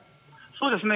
そうですね。